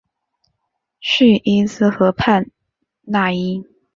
叙伊兹河畔讷伊。